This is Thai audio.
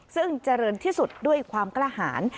ซึ่งเจริญที่สุดด้วยความกล้าหาร